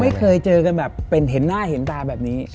ไม่เคยเจอกันแบบเป็นเห็นหน้าเห็นตาแบบนี้